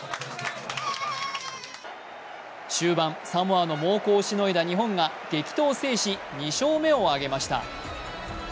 終盤、サモアの猛攻をしのんだ日本が激闘を制し２勝目を挙げました。